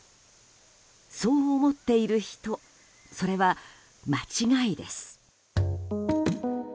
そう思っている人それは間違いです。